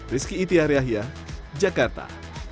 rizky itiariahia jakarta